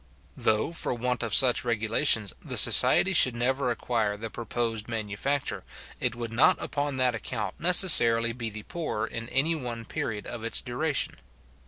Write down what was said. Though, for want of such regulations, the society should never acquire the proposed manufacture, it would not upon that account necessarily be the poorer in anyone period of its duration.